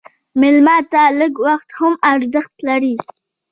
مېلمه ته لږ وخت هم ارزښت لري.